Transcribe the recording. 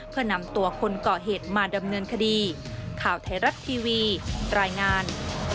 เพื่อนำตัวคนก่อเหตุมาดำเนินคดีข่าวไทยรัฐทีวีรายงาน